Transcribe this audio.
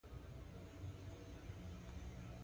خو شکمن وم بیا به ونه ګرځم دې لار ته